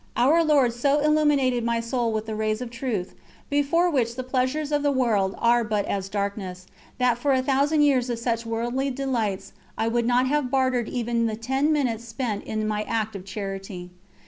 Our Lord so illuminated my soul with the rays of truth, before which the pleasures of the world are but as darkness, that for a thousand years of such worldly delights, I would not have bartered even the ten minutes spent in my act of charity.